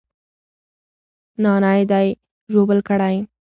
نانى دې ژوبل کړى.